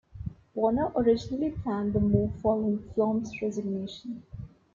Warner originally planned the move following Flom's resignation.